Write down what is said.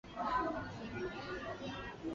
毫无疑问我可以完成那些扑救！